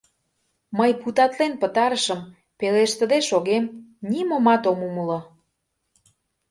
Мый путатлен пытарышым, пелештыде шогем, нимомат ом умыло.